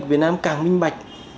của việt nam càng minh bạch